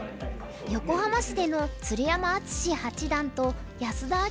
横浜市での鶴山淳志八段と安田明